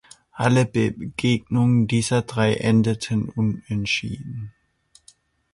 Alle Begegnungen dieser drei endeten Unentschieden.